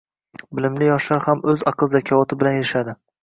Bilimli yoshlar ham oʻz aql-zakovati bilan erishadi